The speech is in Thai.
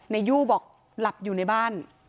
นายยู่บอกหลับอยู่ในบ้าน